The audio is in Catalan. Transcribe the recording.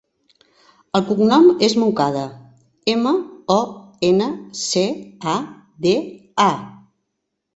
El cognom és Moncada: ema, o, ena, ce, a, de, a.